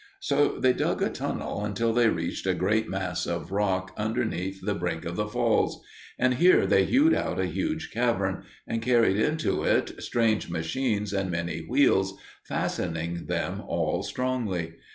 So they dug a tunnel until they reached a great mass of rock underneath the brink of the falls; and here they hewed out a huge cavern, and carried into it strange machines and many wheels, fastening them all strongly.